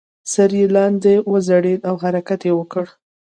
سر یې لاندې وځړید او حرکت یې وکړ.